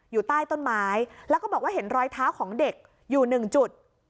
อยู่ใต้ต้นไม้แล้วก็บอกว่าเห็นรอยเท้าของเด็กอยู่หนึ่งจุด